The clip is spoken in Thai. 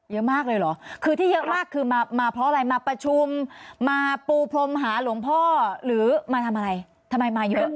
เยอะมากเลยเหรอคือที่เยอะมากคือมาเพราะอะไรมาประชุมมาปูพรมหาหลวงพ่อหรือมาทำอะไรทำไมมาเยอะ